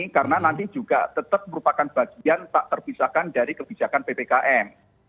karena nanti juga tetap merupakan bagian tak terpisahkan dari kebijakan ppkm